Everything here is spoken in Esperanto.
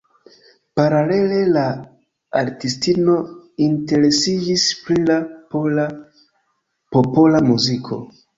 Paralele la artistino interesiĝis pri la pola popola muziko.